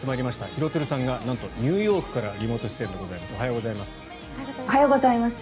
廣津留さんが、なんとニューヨークからリモート出演でございます。